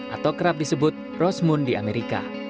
atau kerap disebut rose moon di amerika